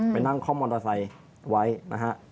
ไปนั่งข้อมอเตอร์ไซด์ไว้นะครับ